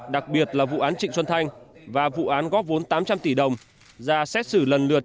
đặc biệt là vụ án trịnh xuân thanh và vụ án góp vốn tám trăm linh tỷ đồng ra xét xử lần lượt